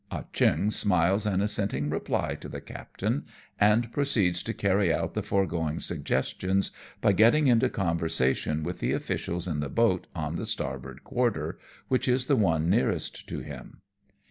Ah Cheong smiles an assenting reply to the captain, and proceeds to carry out the foregoing suggestions by getting into conversation with the officials in the boat on the starboard quarter, which is the one nearest to him.